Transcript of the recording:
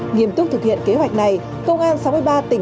nghiêm túc thực hiện kế hoạch này công an sáu mươi ba tỉnh